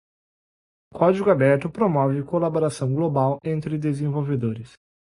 Código aberto promove colaboração global entre desenvolvedores.